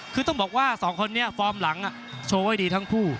คือต้องบอกว่า๒คนนี้ฝ่อหลังโชว์ไว้ดีทั้งคู่